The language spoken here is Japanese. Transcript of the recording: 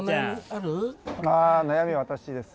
あ悩み私です。